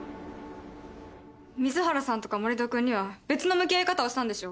水原さんとか森戸君には別の向き合い方をしたんでしょ？